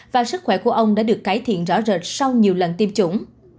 và sức khỏe của ông đã được cải thiện rõ rệt sau nhiều lần tiêm chủng